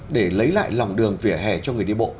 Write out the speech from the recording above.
để lấy lại lòng đường vỉa hè cho người đi bộ